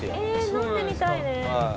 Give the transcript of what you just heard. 飲んでみたいね。